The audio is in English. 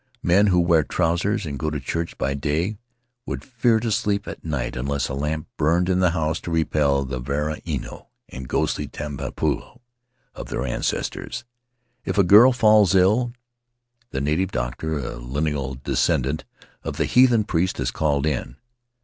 Men who wear trousers and go to church by day would fear to sleep at night unless a lamp burned in the house to repel the varua ino and ghastly tupapau of their ancestors. If a girl falls ill the native doctor — a lineal descendant of the heathen priest — is called in.